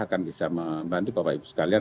akan bisa membantu bapak ibu sekalian